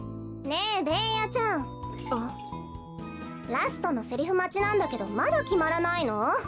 ラストのセリフまちなんだけどまだきまらないの？